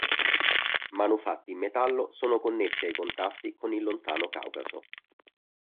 Manufatti in metallo sono connessi ai contatti con il lontano Caucaso.